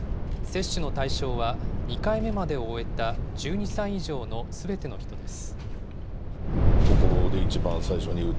接種の対象は、２回目までを終えた１２歳以上のすべての人です。